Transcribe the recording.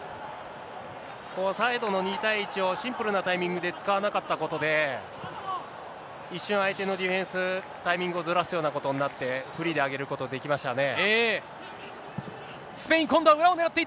ここは、再度の２対１をシンプルなタイミングで使わなかったことで、一瞬、相手のディフェンス、タイミングをずらすようなことになって、フリーで上げることできましたね。